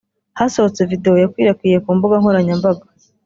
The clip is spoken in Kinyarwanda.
Hasohotse video yakwirakwiye ku mbuga nkoranyambaga